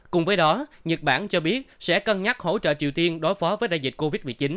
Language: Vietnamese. cùng với đó nhật bản cho biết sẽ cân nhắc hỗ trợ triều tiên đối phó với đại dịch covid một mươi chín